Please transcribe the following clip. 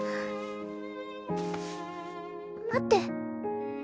待って。